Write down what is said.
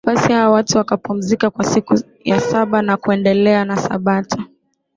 Basi hao watu wakapumzika kwa siku ya saba na kuendelea na sabato